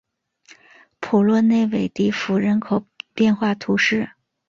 普洛内韦迪福人口变化图示